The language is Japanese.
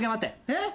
えっ？